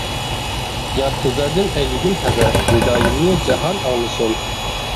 يات كۆزلەردىن ئەيلىگىن ھەزەر، نىدايىمنى جاھان ئاڭلىسۇن.